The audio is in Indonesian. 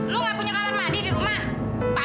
lu enggak punya kapan mandi di rumah